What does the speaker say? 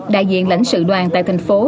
đại diện lãnh sự đoàn tại thành phố